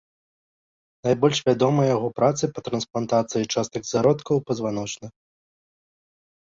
Найбольш вядомыя яго працы па трансплантацыі частак зародкаў пазваночных.